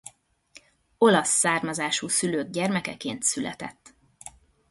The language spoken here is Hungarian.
Olasz származású szülők gyermekeként született.